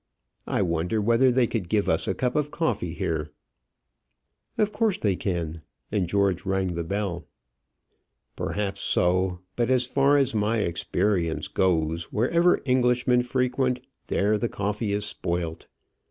I wonder whether they could give us a cup of coffee here?" "Of course they can:" and George rang the bell. "Perhaps so; but as far as my experience goes, wherever Englishmen frequent, there the coffee is spoilt.